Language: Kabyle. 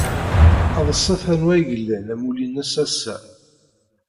Adset anwa ay ilan amulli-nnes ass-a!